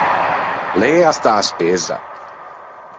Lê a stà a-a Spezza.